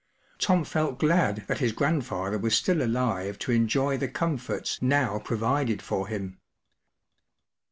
Tom felt glad that his grand¬ father was still alive to enjoy the comforts now' provided for him.